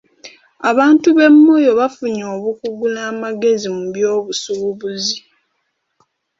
Abantu be Moyo baafunye obukugu n'amagezi mu by'obusuubuzi.